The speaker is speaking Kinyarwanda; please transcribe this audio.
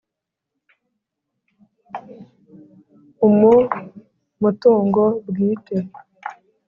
Umu mutungo bwite.